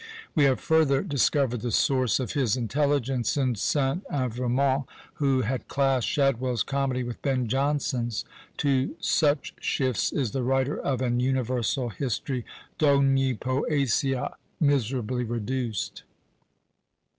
We have further discovered the source of his intelligence in St. Evremond, who had classed Shadwell's comedy with Ben Jonson's. To such shifts is the writer of an universal history d' ogni Poesia miserably reduced!